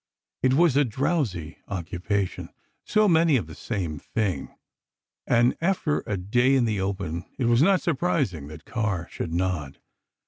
It was a drowsy occupation—so many of the same thing—and after a day in the open, it was not surprising that Carr should nod.